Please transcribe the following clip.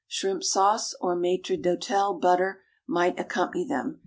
Shrimp sauce, or maître d'hôtel butter might accompany them.